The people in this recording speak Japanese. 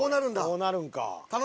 こうなるんか。